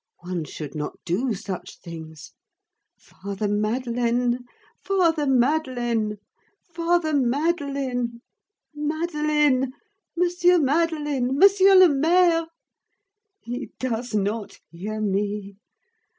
One should not do such things. Father Madeleine! Father Madeleine! Father Madeleine! Madeleine! Monsieur Madeleine! Monsieur le Maire! He does not hear me.